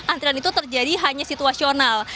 antrian itu terjadi hanya situasional